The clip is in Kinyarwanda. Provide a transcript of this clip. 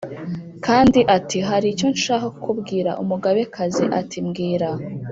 Kandi ati “Hari icyo nshaka kukubwira.” Umugabekazi ati “Mbwira.”